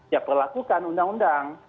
ya perlakukan undang undang